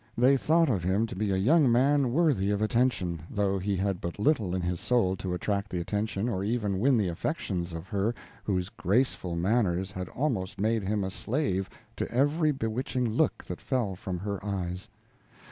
They thought him to be a young man worthy of attention, though he had but little in his soul to attract the attention or even win the affections of her whose graceful manners had almost made him a slave to every bewitching look that fell from her eyes.